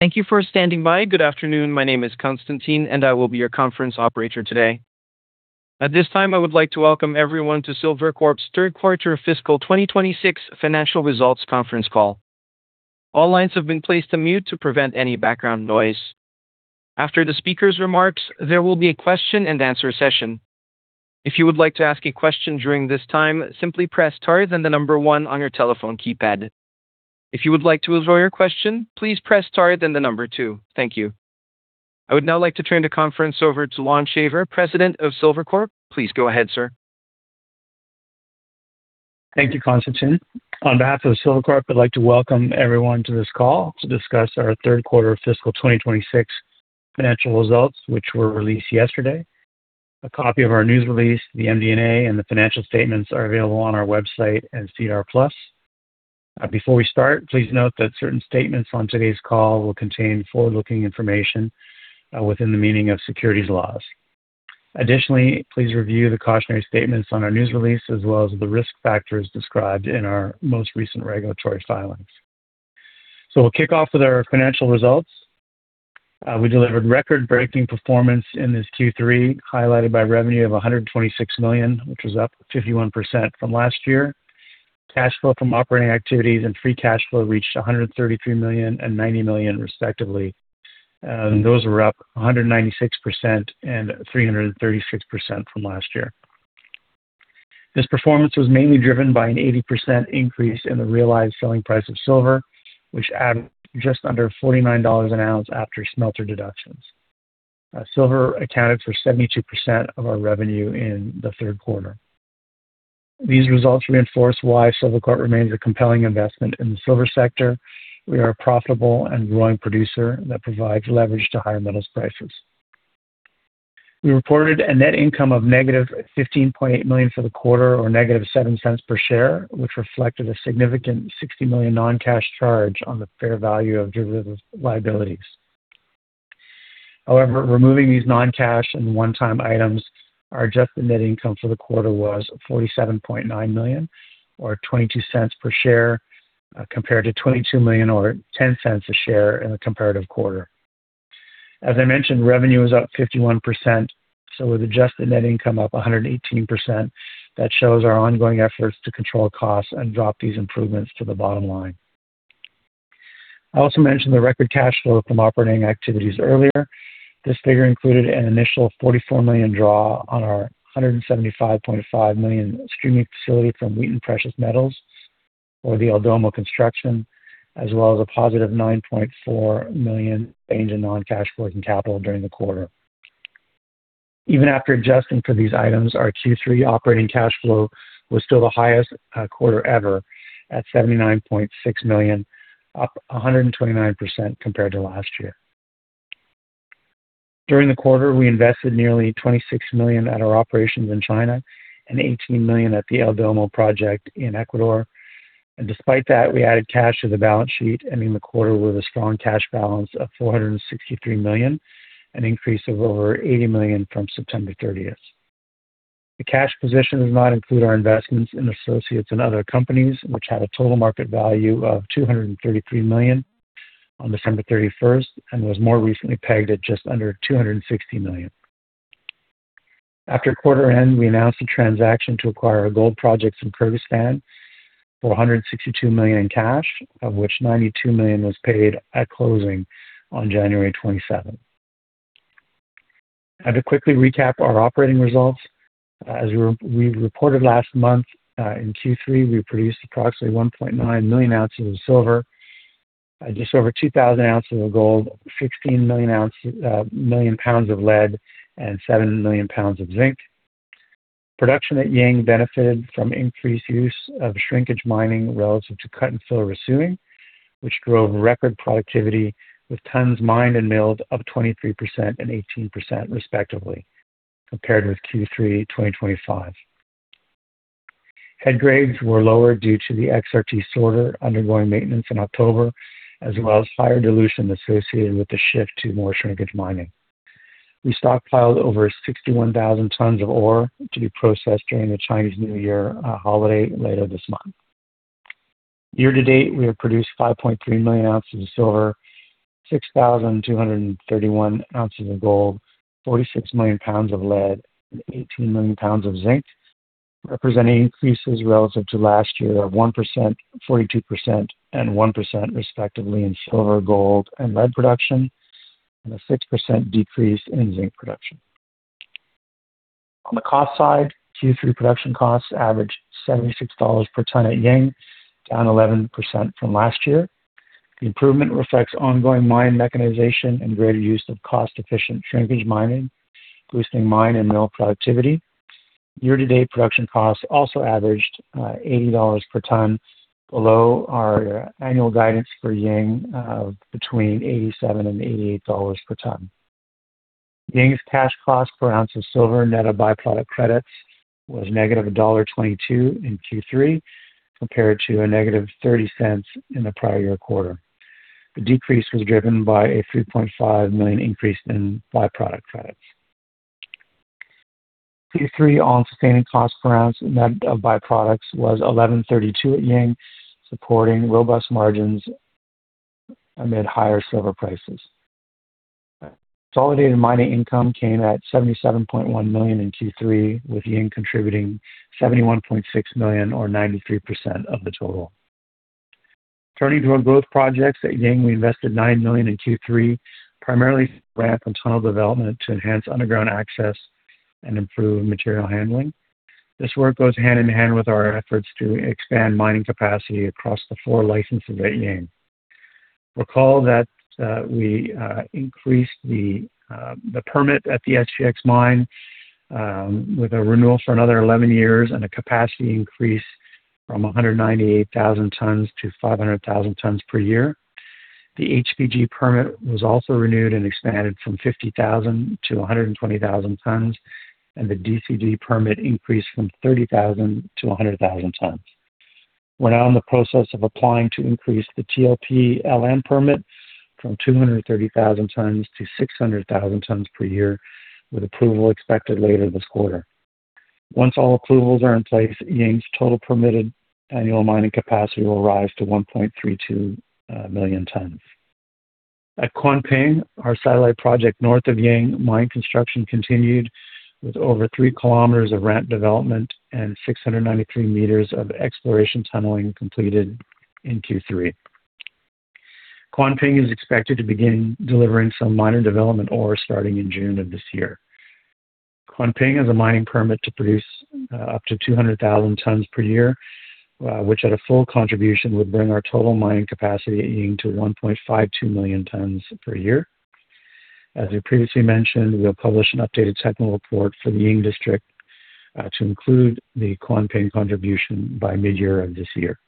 Thank you for standing by. Good afternoon, my name is Constantine and I will be your conference operator today. At this time I would like to welcome everyone to Silvercorp's third quarter fiscal 2026 financial results conference call. All lines have been placed on mute to prevent any background noise. After the speaker's remarks there will be a question and answer session. If you would like to ask a question during this time simply press star then the number 1 on your telephone keypad. If you would like to withdraw your question please press star then the number 2. Thank you. I would now like to turn the conference over to Lon Shaver, President of Silvercorp. Please go ahead, sir. Thank you, Constantine. On behalf of Silvercorp, I'd like to welcome everyone to this call to discuss our third quarter fiscal 2026 financial results, which were released yesterday. A copy of our news release, the MD&A, and the financial statements are available on our website and SEDAR+. Before we start, please note that certain statements on today's call will contain forward-looking information within the meaning of securities laws. Additionally, please review the cautionary statements on our news release as well as the risk factors described in our most recent regulatory filings. So we'll kick off with our financial results. We delivered record-breaking performance in this Q3 highlighted by revenue of $126 million, which was up 51% from last year. Cash flow from operating activities and free cash flow reached $133 million and $90 million respectively. Those were up 196% and 336% from last year. This performance was mainly driven by an 80% increase in the realized selling price of silver which added just under $49 an ounce after smelter deductions. Silver accounted for 72% of our revenue in the third quarter. These results reinforce why Silvercorp remains a compelling investment in the silver sector. We are a profitable and growing producer that provides leverage to higher metals prices. We reported a net income of -$15.8 million for the quarter or -$0.07 per share which reflected a significant $60 million non-cash charge on the fair value of derivative liabilities. However, removing these non-cash and one-time items, our adjusted net income for the quarter was $47.9 million or $0.22 per share compared to $22 million or $0.10 a share in the comparative quarter. As I mentioned revenue was up 51% so with adjusted net income up 118% that shows our ongoing efforts to control costs and drop these improvements to the bottom line. I also mentioned the record cash flow from operating activities earlier. This figure included an initial $44 million draw on our $175.5 million streaming facility from Wheaton Precious Metals for the El Domo construction as well as a positive $9.4 million change in non-cash working capital during the quarter. Even after adjusting for these items our Q3 operating cash flow was still the highest quarter ever at $79.6 million up 129% compared to last year. During the quarter we invested nearly $26 million at our operations in China and $18 million at the El Domo project in Ecuador. Despite that, we added cash to the balance sheet, ending the quarter with a strong cash balance of $463 million, an increase of over $80 million from September 30th. The cash position does not include our investments in associates and other companies, which had a total market value of $233 million on December 31st, and was more recently pegged at just under $260 million. After quarter end, we announced a transaction to acquire a gold project in Kyrgyzstan for $162 million in cash, of which $92 million was paid at closing on January 27th. I'd quickly recap our operating results. As we reported last month, in Q3 we produced approximately 1.9 million ounces of silver, just over 2,000 ounces of gold, 16 million pounds of lead, and 7 million pounds of zinc. Production at Ying benefited from increased use of shrinkage mining relative to cut-and-fill resue which drove record productivity with tons mined and milled up 23% and 18% respectively compared with Q3 2025. Head grades were lower due to the XRT sorter undergoing maintenance in October as well as higher dilution associated with the shift to more shrinkage mining. We stockpiled over 61,000 tons of ore to be processed during the Chinese New Year holiday later this month. Year to date we have produced 5.3 million ounces of silver, 6,231 ounces of gold, 46 million pounds of lead, and 18 million pounds of zinc representing increases relative to last year of 1%, 42%, and 1% respectively in silver, gold, and lead production and a 6% decrease in zinc production. On the cost side Q3 production costs averaged $76 per ton at Ying down 11% from last year. The improvement reflects ongoing mine mechanization and greater use of cost-efficient shrinkage mining boosting mine and mill productivity. Year-to-date production costs also averaged $80 per ton below our annual guidance for Ying of between $87 and $88 per ton. Ying's cash cost per ounce of silver net of byproduct credits was negative $1.22 in Q3 compared to a negative $0.30 in the prior-year quarter. The decrease was driven by a $3.5 million increase in byproduct credits. Q3 all-in sustaining cost per ounce net of byproducts was $11.32 at Ying supporting robust margins amid higher silver prices. Consolidated mining income came at $77.1 million in Q3 with Ying contributing $71.6 million or 93% of the total. Turning toward growth projects at Ying, we invested $9 million in Q3 primarily to ramp and tunnel development to enhance underground access and improve material handling. This work goes hand in hand with our efforts to expand mining capacity across the four licenses at Ying. Recall that we increased the permit at the SGX mine with a renewal for another 11 years and a capacity increase from 198,000 tons to 500,000 tons per year. The HPG permit was also renewed and expanded from 50,000 to 120,000 tons and the DCG permit increased from 30,000 to 100,000 tons. We're now in the process of applying to increase the TLP/LM permit from 230,000 tons to 600,000 tons per year with approval expected later this quarter. Once all approvals are in place Ying's total permitted annual mining capacity will rise to 1.32 million tons. At Kuanping our satellite project north of Ying mine construction continued with over 3 kilometers of ramp development and 693 meters of exploration tunneling completed in Q3. Kuanping is expected to begin delivering some minor development ore starting in June of this year. Kuanping has a mining permit to produce up to 200,000 tons per year which at a full contribution would bring our total mining capacity at Ying to 1.52 million tons per year. As we previously mentioned we'll publish an updated technical report for the Ying district to include the Kuanping contribution by mid-year of this year.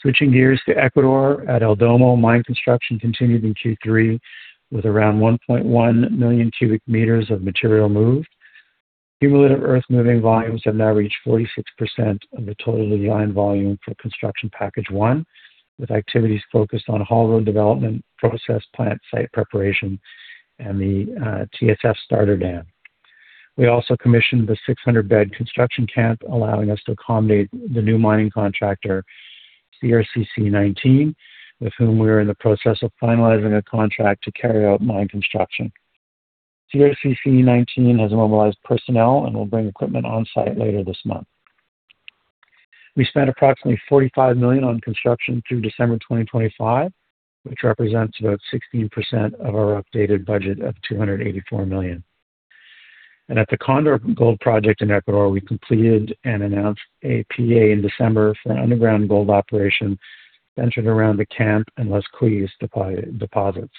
Switching gears to Ecuador at El Domo mine construction continued in Q3 with around 1.1 million cubic meters of material moved. Cumulative earth moving volumes have now reached 46% of the total design volume for construction package one with activities focused on haul road development, process plant site preparation, and the TSF starter dam. We also commissioned the 600-bed construction camp allowing us to accommodate the new mining contractor CRCC 19 with whom we are in the process of finalizing a contract to carry out mine construction. CRCC 19 has mobilized personnel and will bring equipment on site later this month. We spent approximately $45 million on construction through December 2025, which represents about 16% of our updated budget of $284 million. And at the Condor Gold project in Ecuador we completed and announced a PEA in December for an underground gold operation centered around the Kame and Los Cuyes deposits.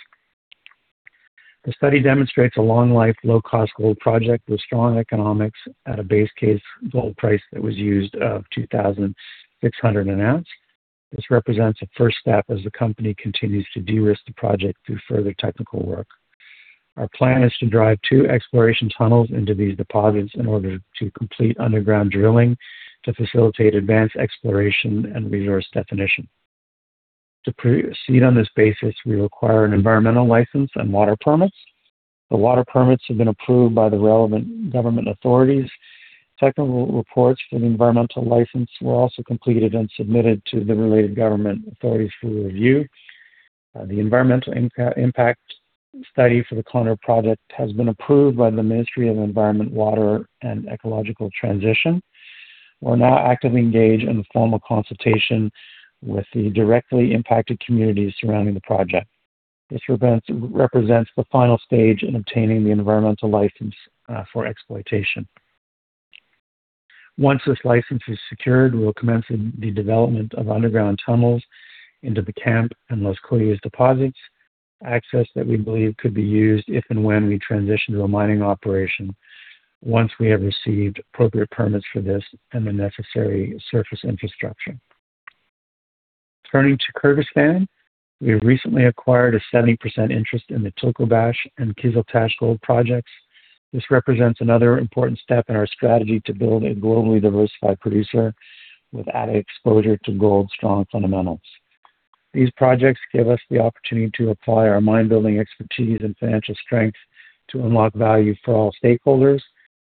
The study demonstrates a long-life low-cost gold project with strong economics at a base case gold price that was used of $2,600 an ounce. This represents a first step as the company continues to de-risk the project through further technical work. Our plan is to drive two exploration tunnels into these deposits in order to complete underground drilling to facilitate advanced exploration and resource definition. To proceed on this basis we require an environmental license and water permits. The water permits have been approved by the relevant government authorities. Technical reports for the environmental license were also completed and submitted to the related government authorities for review. The environmental impact study for the Condor project has been approved by the Ministry of Environment, Water, and Ecological Transition. We're now actively engaged in formal consultation with the directly impacted communities surrounding the project. This represents the final stage in obtaining the environmental license for exploitation. Once this license is secured we'll commence the development of underground tunnels into the Kame and Los Cuyes deposits access that we believe could be used if and when we transition to a mining operation once we have received appropriate permits for this and the necessary surface infrastructure. Turning to Kyrgyzstan we have recently acquired a 70% interest in the Tulkubash and Kyzyltash gold projects. This represents another important step in our strategy to build a globally diversified producer with added exposure to gold strong fundamentals. These projects give us the opportunity to apply our mine-building expertise and financial strength to unlock value for all stakeholders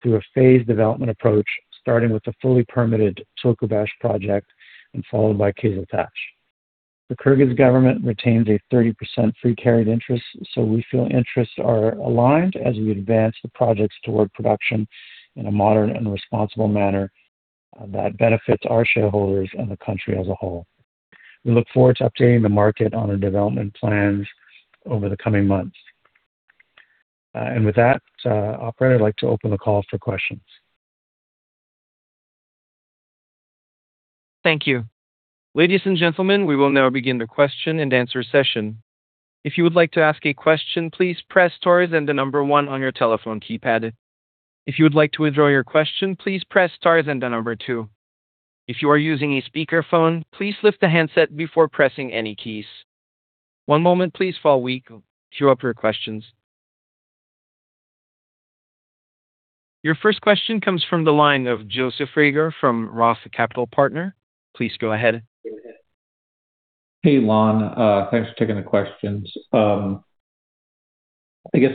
through a phased development approach starting with the fully permitted Tulkubash project and followed by Kyzyltash. The Kyrgyz government retains a 30% free carried interest so we feel interests are aligned as we advance the projects toward production in a modern and responsible manner that benefits our shareholders and the country as a whole. We look forward to updating the market on our development plans over the coming months. With that, operator, I'd like to open the call for questions. Thank you. Ladies and gentlemen, we will now begin the question and answer session. If you would like to ask a question, please press star at the number one on your telephone keypad. If you would like to withdraw your question, please press star at the number two. If you are using a speakerphone, please lift the handset before pressing any keys. One moment, please, while we queue up your questions. Your first question comes from the line of Joseph Reagor from Roth Capital Partners. Please go ahead. Hey, Lon. Thanks for taking the questions. I guess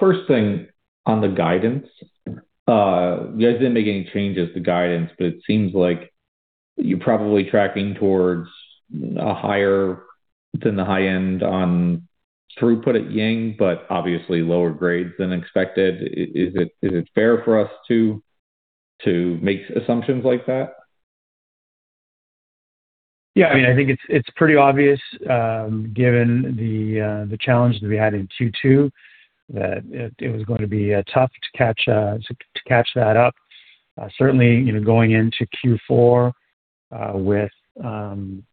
first thing on the guidance. You guys didn't make any changes to guidance, but it seems like you're probably tracking towards a higher than the high end on throughput at Ying, but obviously lower grades than expected. Is it fair for us to make assumptions like that? Yeah, I mean, I think it's pretty obvious given the challenge that we had in Q2 that it was going to be tough to catch that up. Certainly, going into Q4 with some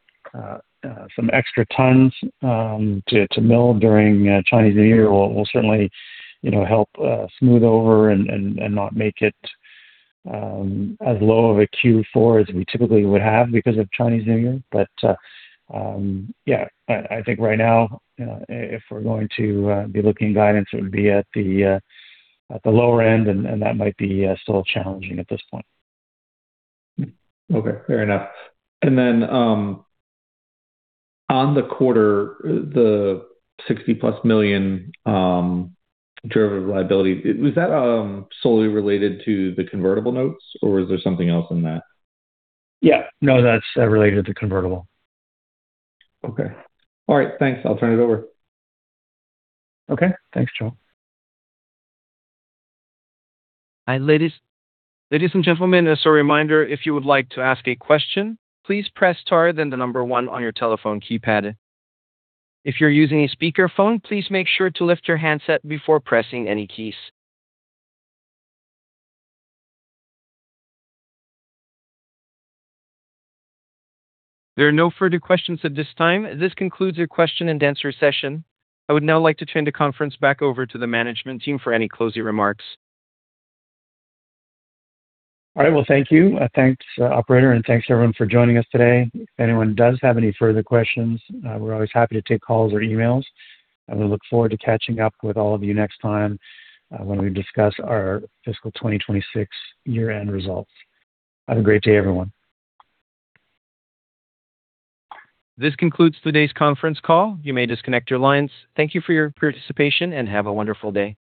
extra tons to mill during Chinese New Year will certainly help smooth over and not make it as low of a Q4 as we typically would have because of Chinese New Year. But yeah, I think right now if we're going to be looking at guidance it would be at the lower end and that might be still challenging at this point. Okay, fair enough. And then on the quarter, the $60+ million derivative liability, was that solely related to the convertible notes or was there something else in that? Yeah, no, that's related to the convertible. Okay. All right, thanks. I'll turn it over. Okay, thanks, Joe. Ladies and gentlemen, as a reminder, if you would like to ask a question, please press star one on your telephone keypad. If you're using a speakerphone, please make sure to lift your handset before pressing any keys. There are no further questions at this time. This concludes your question and answer session. I would now like to turn the conference back over to the management team for any closing remarks. All right, well, thank you. Thanks, operator, and thanks everyone for joining us today. If anyone does have any further questions, we're always happy to take calls or emails. And we look forward to catching up with all of you next time when we discuss our fiscal 2026 year-end results. Have a great day, everyone. This concludes today's conference call. You may disconnect your lines. Thank you for your participation and have a wonderful day.